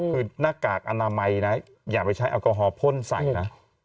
คือหน้ากากอนามัยนะอย่าไปใช้แอลกอฮอลพ่นใส่นะ